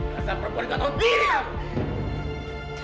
rasa perbuatan kau diri kamu